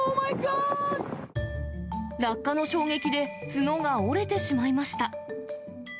落下の衝撃で角が折れてしまいました。